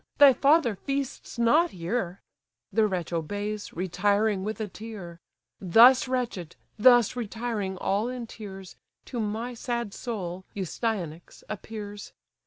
thy father feasts not here:' The wretch obeys, retiring with a tear. Thus wretched, thus retiring all in tears, To my sad soul Astyanax appears!